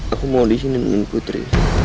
aku mau disini dengan putri